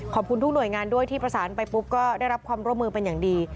ขอบคุณทุกหน่วยงานด้วยที่ประสานไปปุ๊บก็ได้รับความร่วมมือเป็นอย่างดี